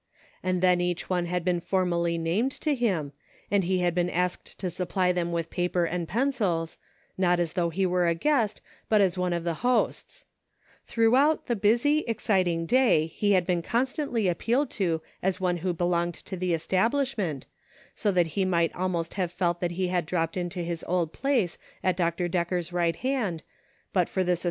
And then each one had been formally named to him, and he had been asked to supply them with paper and pencils, not as though he were a guest, but as one of the hosts ; throughout the busy, exciting day, he had been constantly appealed to as one who be longed to the establishment, so that he might almost have felt that he had dropped into his old place at Dr. Decker's right hand, but for this as HOME.